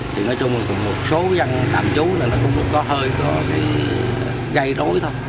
thì nói chung là một số dân tạm chú là nó cũng có hơi có cái gây rối thôi